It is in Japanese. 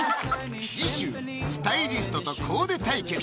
次週スタイリストとコーデ対決